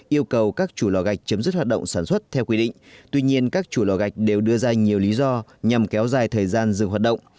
yêu cầu các chủ lò gạch chấm dứt hoạt động sản xuất theo quy định tuy nhiên các chủ lò gạch đều đưa ra nhiều lý do nhằm kéo dài thời gian dừng hoạt động